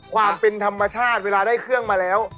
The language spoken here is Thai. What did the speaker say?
ความเป็นธรรมชาติเวลาได้เครื่องมาแล้ว